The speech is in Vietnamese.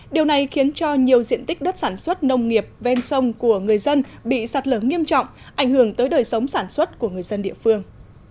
điều này khiến cho nhiều diện tích đất sản xuất nông nghiệp ven sông của người dân bị sạt lở nghiêm trọng ảnh hưởng tới đời sống sản xuất của người dân địa phương